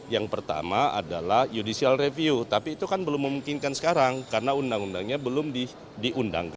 yang pertama adalah judicial review tapi itu kan belum memungkinkan sekarang karena undang undangnya belum diundang